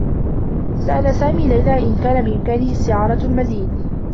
سأل سامي ليلى إن كان بإمكانه استعارة المزيد.